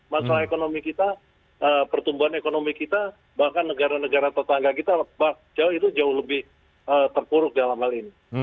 masalah ekonomi kita pertumbuhan ekonomi kita bahkan negara negara tetangga kita jauh itu jauh lebih terpuruk dalam hal ini